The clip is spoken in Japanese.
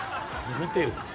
見てる。